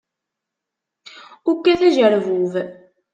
Ur kkat ajerbub.